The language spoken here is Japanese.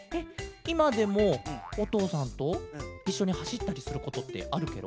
いまでもおとうさんといっしょにはしったりすることってあるケロ？